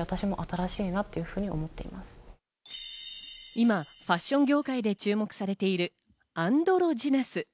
今、ファッション業界で注目されているアンドロジナス。